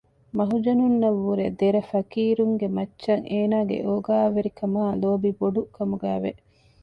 މަހުޖަނުންނަށް ވުރެ ދެރަ ފަކީރުންގެ މައްޗަށް އޭނާގެ އޯގާވެރިކަމާއި ލޯބި ބޮޑު ކަމުގައިވެ